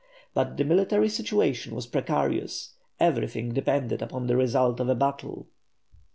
But the military situation was precarious, everything depended upon the result of a battle.